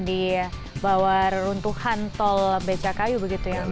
di bawah runtuhan tol bcku begitu yang terjadi hari ini